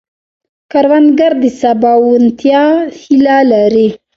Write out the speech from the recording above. کروندګر د سباوونتیا هیله لري